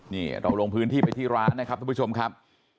นี่เราลงพื้นที่ไปที่ร้านนะครับทุกผู้ชมครับ